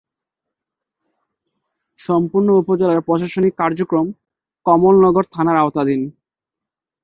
সম্পূর্ণ উপজেলার প্রশাসনিক কার্যক্রম কমলনগর থানার আওতাধীন।